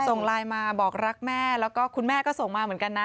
ส่งไลน์มาบอกรักแม่แล้วก็คุณแม่ก็ส่งมาเหมือนกันนะ